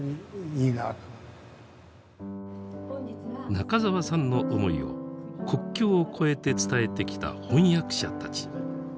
中沢さんの思いを国境を越えて伝えてきた翻訳者たち。